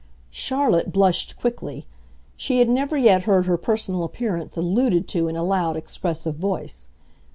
Charlotte blushed quickly; she had never yet heard her personal appearance alluded to in a loud, expressive voice.